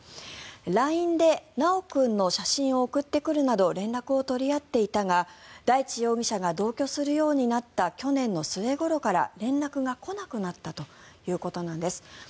ＬＩＮＥで修君の写真を送ってくるなど連絡を取り合っていたが大地容疑者が同居するようになった去年の末ごろから連絡が来なくなったということなんです。